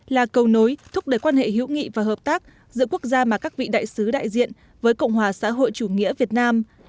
là cầu nối thúc đẩy quan hệ hữu nghị và hợp tác giữa quốc gia mà các vị đại sứ đại diện với cộng hòa xã hội chủ nghĩa việt nam